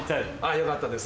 よかったです。